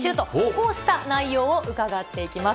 こうした内容を伺っていきます。